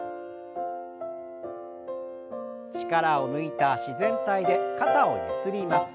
力を抜いた自然体で肩をゆすります。